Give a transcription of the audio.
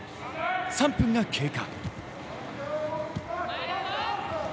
３分が経過。